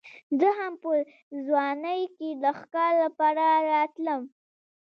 زه هم په ځوانۍ کې د ښکار لپاره راتلم.